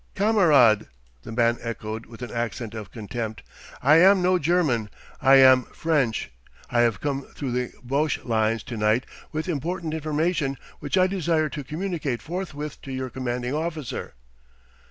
"Kamerad!" the man echoed with an accent of contempt. "I am no German I am French. I have come through the Boche lines to night with important information which I desire to communicate forthwith to your commanding officer."